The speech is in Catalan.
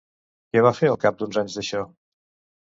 Què va fer al cap d'uns anys d'això?